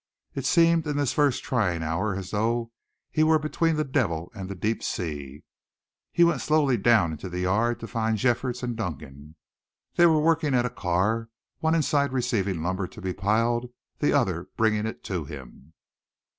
It seemed in this first trying hour as though he were between the devil and the deep sea. He went slowly down into the yard to find Jeffords and Duncan. They were working at a car, one inside receiving lumber to be piled, the other bringing it to him.